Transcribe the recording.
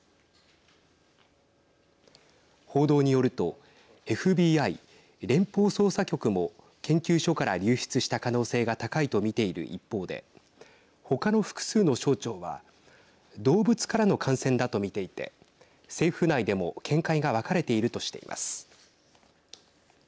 報道によるとＦＢＩ＝連邦捜査局も研究所から流出した可能性が高いと見ている一方で他の複数の省庁は動物からの感染だと見ていて政府内でも見解が分かれているとしています。